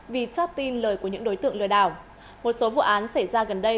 vì cho tin lời của những đối tượng lừa đảo một số vụ án xảy ra gần đây